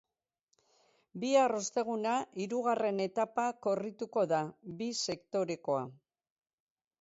Bihar osteguna, hirugarren etapa korrituko da, bi sektorekoa.